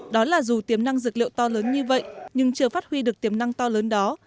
đó là dù tiềm năng dược liệu to lớn như vậy nhưng chưa phát huy được tiềm năng to lớn đó